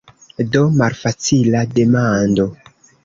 Do, malfacila demando.